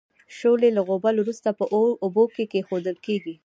شولې له غوبل وروسته په اوبو کې اېښودل کیږي.